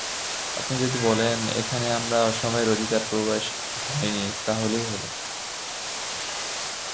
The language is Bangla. আপনি যদি বলেন, এখানে আমার অসময়ে অনধিকার প্রবেশ হয় নি তা হলেই হল।